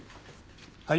はい。